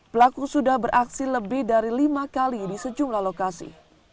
pelaku sudah beraksi lebih dari lima kali di sejumlah lokasi